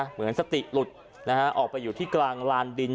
เหมือนสติหลุดออกไปอยู่ที่กลางลานดิน